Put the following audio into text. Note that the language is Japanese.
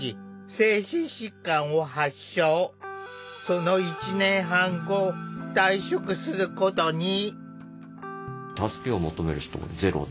その１年半後退職することに。